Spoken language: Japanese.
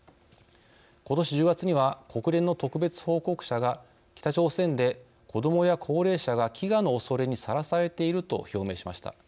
ことし１０月には国連の特別報告者が「北朝鮮で子どもや高齢者が飢餓のおそれにされらされている」と表明しました。